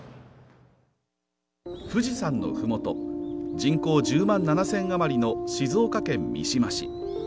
富士山のふもと人口１０万７０００あまりの静岡県三島市。